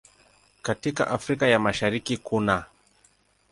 Katika Afrika ya Mashariki kunaː